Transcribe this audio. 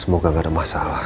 semoga gak ada masalah